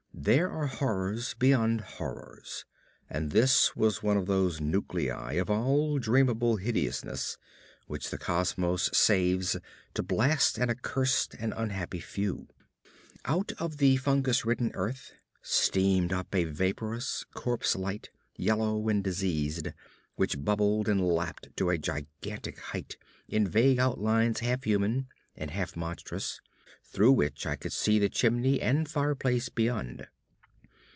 There are horrors beyond horrors, and this was one of those nuclei of all dreamable hideousness which the cosmos saves to blast an accursed and unhappy few. Out of the fungus ridden earth steamed up a vaporous corpse light, yellow and diseased, which bubbled and lapped to a gigantic height in vague outlines half human and half monstrous, through which I could see the chimney and fireplace beyond.